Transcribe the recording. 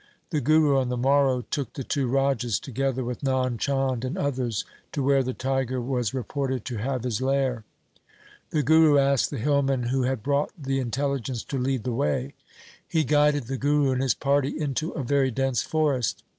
The Guru on the morrow took the two Rajas, together with Nand Chand and others, to where the tiger was reported to have his lair. The Guru asked the hillman who had brought the intelligence to lead the way. He guided the Guru and his party into a very dense forest.